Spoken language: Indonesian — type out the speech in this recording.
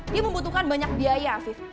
dia membutuhkan banyak biaya sih